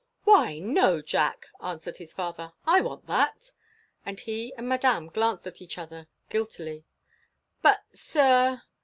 "Why, no, Jack," answered his father, "I want that." And he and Madame glanced at each other guiltily. "But, sir!"